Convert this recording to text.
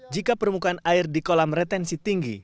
jika permukaan air di kolam retensi tinggi